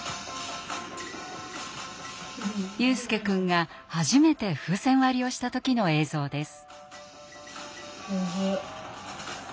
悠翼くんが初めて風船割りをした時の映像です。